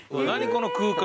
この空間。